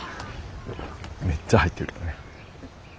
めっちゃ入ってる。